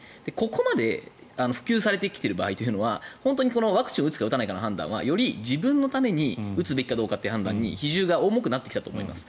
ここまで普及されてきている場合というのは本当にワクチンを打つか打たないかの判断はより自分のために打つべきかどうかという判断に比重が重くなってきたと思います。